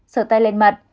sợ tay lên mặt